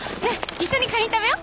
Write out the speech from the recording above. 一緒にカニ食べよう！